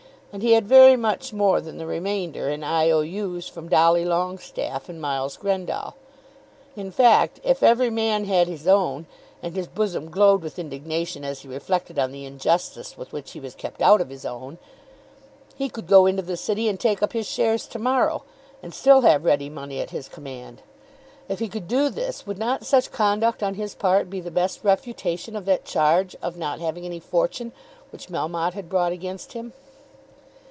And he had very much more than the remainder in I. O. U.'s from Dolly Longestaffe and Miles Grendall. In fact if every man had his own, and his bosom glowed with indignation as he reflected on the injustice with which he was kept out of his own, he could go into the city and take up his shares to morrow, and still have ready money at his command. If he could do this, would not such conduct on his part be the best refutation of that charge of not having any fortune which Melmotte had brought against him?